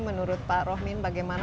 menurut pak rohmin bagaimana